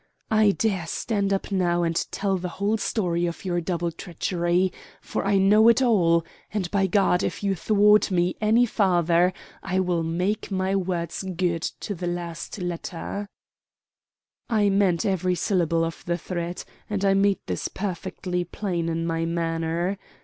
"I dare stand up now and tell the whole story of your double treachery, for I know it all: and, by God! if you thwart me any farther I'll make my words good to the last letter." I meant every syllable of the threat, and I made this perfectly plain in my manner.